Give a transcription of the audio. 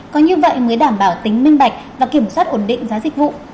có như vậy mới đảm bảo tính minh bạch và kiểm soát ổn định giá dịch vụ